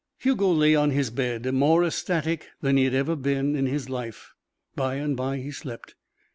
Hugo lay on his bed, more ecstatic than he had ever been in his life. By and by he slept.